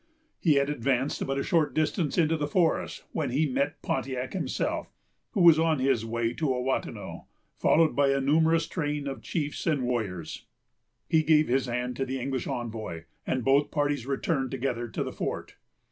He had advanced but a short distance into the forest when he met Pontiac himself, who was on his way to Ouatanon, followed by a numerous train of chiefs and warriors. He gave his hand to the English envoy, and both parties returned together to the fort.